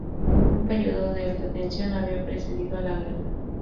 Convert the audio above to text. Un período de alta tensión había precedido a la guerra.